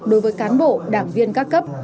đối với cán bộ đảng viên các cấp